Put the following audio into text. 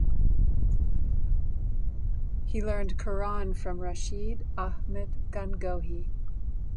He learned Quran from Rashid Ahmad Gangohi.